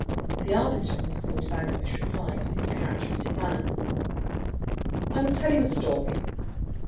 The arbiter on this point of anguish replied in his characteristic manner: "I will tell you a story.